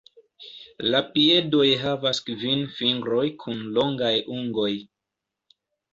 La piedoj havas kvin fingroj kun longaj ungoj.